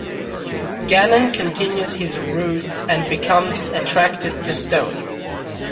Gannon continues his ruse and becomes attracted to Stone.